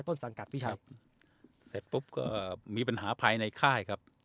ต้นสังกัดพี่ชัยเสร็จปุ๊บก็มีปัญหาภายในค่ายครับ